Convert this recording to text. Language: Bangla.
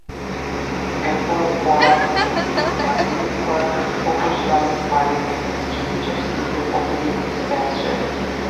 এরপর পরাব তোমাকে অ্যাপলিক করা সবুজ-লাল পাড়ের জুপিটার সিল্কের অতিবেগুনি স্পেস-শাড়ি।